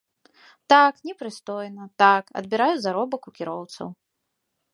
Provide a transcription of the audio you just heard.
Так, непрыстойна, так, адбіраю заробак у кіроўцаў.